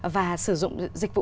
và sử dụng dịch vụ